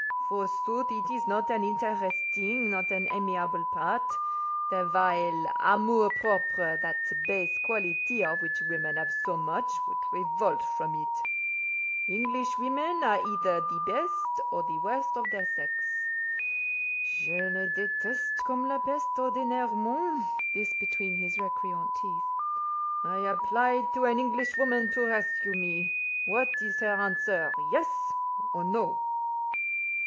Forsooth, it is not an interesting, not an amiable, part; their vile amour propre—that base quality of which women have so much—would revolt from it. Englishwomen are either the best or the worst of their sex. Dieu sait que je les déteste comme la peste, ordinairement" (this between his recreant teeth). "I apply to an Englishwoman to rescue me. What is her answer—Yes, or No?"